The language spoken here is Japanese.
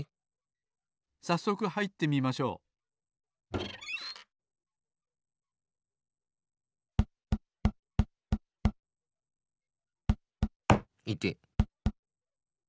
さっそくはいってみましょういてっ！